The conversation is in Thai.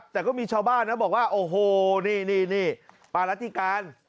แต่ก็มีชาวบ้านนะบอกว่าโอ้โหนี่ปารัติการ